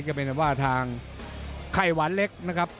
ก็เป็นว่าทางไข้หวานเล็กนะครับ